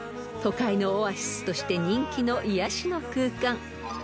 ［都会のオアシスとして人気の癒やしの空間］